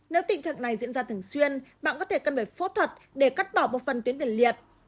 nếu tình trạng này diễn ra thường xuyên bạn có thể cần được phẫu thuật để cắt bỏ một phần tuyến đường liệt